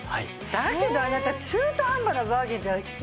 だけどあなた中途半端なバーゲンじゃ嫌だよ？